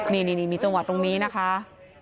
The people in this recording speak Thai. นี่มีจังหวะตรงนี้นะคะ